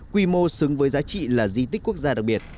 quy mô xứng với giá trị là di tích quốc gia đặc biệt